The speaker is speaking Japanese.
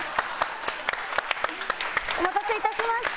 お待たせいたしました。